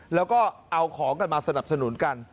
แล้วก็เอาของกันมาสนับสนุนกัน